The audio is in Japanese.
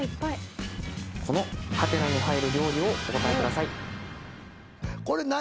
この「？」に入る料理をお答えください。